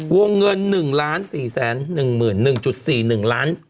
วงเงิน๑๔๑๐๐๑๔๑ล้านบาท